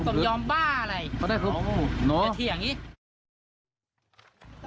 เขาบอกว่าต้องยอมบ้าอะไรอย่าเถียงอย่างนี้โอ้โฮโอ้โฮโอ้โฮ